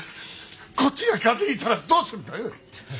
こっちが風邪ひいたらどうすんだ。